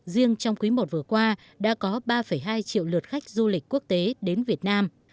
riêng trong quý i vừa qua đã có ba hai triệu lượt khách du lịch quốc tế đến việt nam